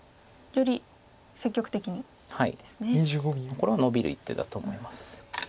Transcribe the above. これはノビる一手だと思います。